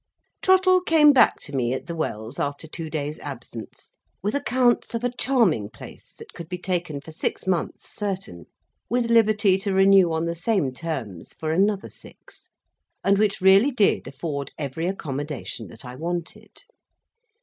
Trottle came back to me at the Wells after two days' absence, with accounts of a charming place that could be taken for six months certain, with liberty to renew on the same terms for another six, and which really did afford every accommodation that I wanted.